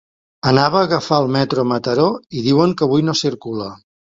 Anava a agafar el metro a Mataró i diuen que avui no circula.